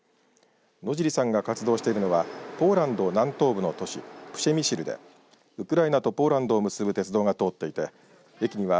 野尻さんが活動しているのはポーランド南東部の都市プシェミシルでウクライナとポーランドを結ぶ鉄道が通っていて駅には